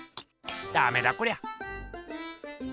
ダメだこりゃ。